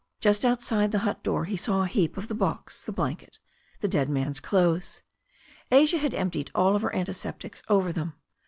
Just outside the hut door he saw a heap of the box, the blanket, the Head man's clothes. Asia had emptied all her antiseptics over them.